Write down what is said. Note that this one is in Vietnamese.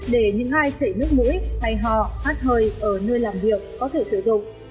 để những ai chảy nước mũi hay hò hát hơi ở nơi làm việc có thể sử dụng